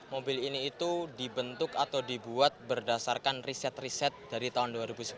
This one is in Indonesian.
mobil ini itu dibentuk atau dibuat berdasarkan riset riset dari tahun dua ribu sebelas